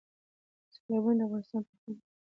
سیلابونه د افغانستان په اوږده تاریخ کې ذکر شوی دی.